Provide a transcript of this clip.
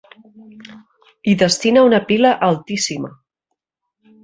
Hi destina una pila altíssima.